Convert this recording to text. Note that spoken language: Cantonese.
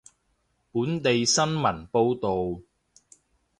本地新聞報道